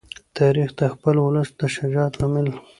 تاریخ د خپل ولس د شجاعت لامل دی.